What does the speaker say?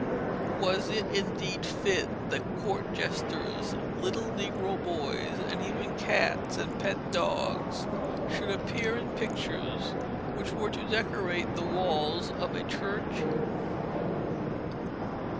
Was it, indeed, fit that court jesters, little negro boys, and even cats and pet dogs should appear in pictures which were to decorate the walls of a church?